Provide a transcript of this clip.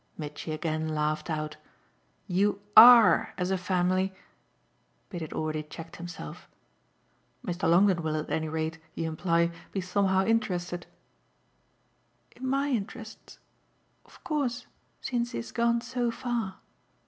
Mitchy again laughed out. "You ARE, as a family !" But he had already checked himself. "Mr. Longdon will at any rate, you imply, be somehow interested " "In MY interests? Of course since he has gone so far.